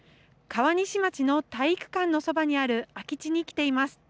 川西町の体育館のそばにある空き地に来ています。